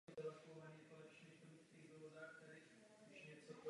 Jednalo se víceméně o strategii jak investovat a kam.